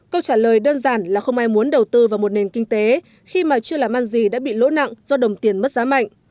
câu trả lời đơn giản là không ai muốn đầu tư vào một nền kinh tế khi mà chưa làm ăn gì đã bị lỗ nặng do đồng tiền mất giá mạnh